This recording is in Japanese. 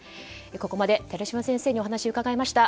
ここまで寺嶋先生にお話を伺いました。